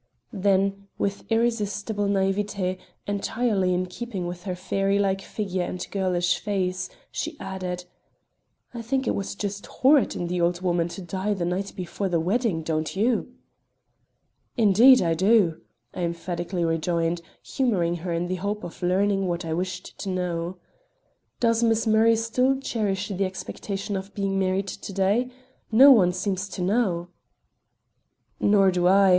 Then, with irresistible naïveté entirely in keeping with her fairy like figure and girlish face, she added: "I think it was just horrid in the old woman to die the night before the wedding; don't you?" "Indeed, I do," I emphatically rejoined, humoring her in the hope of learning what I wished to know. "Does Miss Murray still cherish the expectation of being married to day? No one seems to know." "Nor do I.